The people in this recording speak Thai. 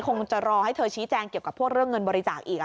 คงจะรอให้เธอชี้แจงเกี่ยวกับพวกเรื่องเงินบริจาคอีก